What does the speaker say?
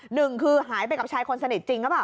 หนึ่งคือหายไปกับชายคนสนิทจริงหรือเปล่า